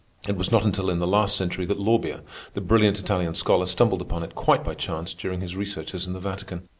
It was not until in the last century that Lorbia, the brilliant Italian scholar, stumbled upon it quite by chance during his researches in the Vatican.